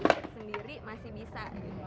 jadi kita sendiri masih bisa